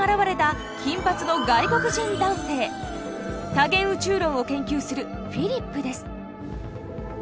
多元宇宙論を研究するフィリップです。